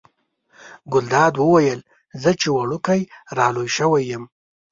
ګلداد وویل زه چې وړوکی را لوی شوی یم.